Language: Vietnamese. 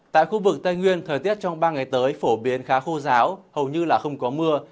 tại khu vực tây nguyên thời tiết trong ba ngày tới phổ biến khá khô giáo hầu như là không có mưa